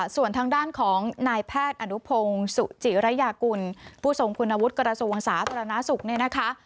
ส่วนทางด้านของนายแพทย์อนุโพงสุจิรยากุลผู้ทรงคุณวุฒิกรสูรวงศาสตร์ตลน้าสุข